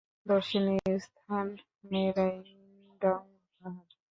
দর্শনীয় স্থান মেরাইনডং পাহাড়।